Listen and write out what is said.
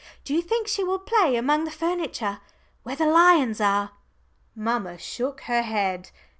Do you think she will play among the furniture where the lions are?" Mamma shook her head.